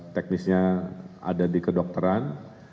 teknisnya ada di kedokteran